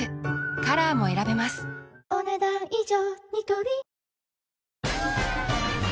カラーも選べますお、ねだん以上。